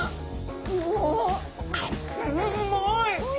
うまい！